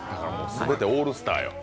全てオールスターよ。